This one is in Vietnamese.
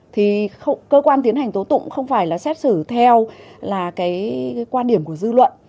thì cơ quan tiến hành tố tụng không phải là xét xử theo là cái quan điểm của dư luận